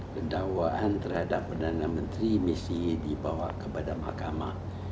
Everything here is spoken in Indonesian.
kedakwaan terhadap perdana menteri mesti dibawa kepada mahkamah